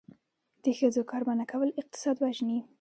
د ښځو کار منع کول اقتصاد وژني.